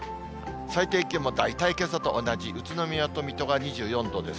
最低気温も大体けさと同じ、宇都宮と水戸が２４度です。